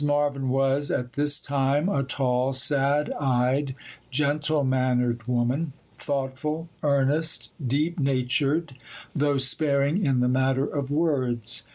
Marvyn was, at this time, a tall, sad eyed, gentle mannered woman, thoughtful, earnest, deep natured, though sparing in the matter of words.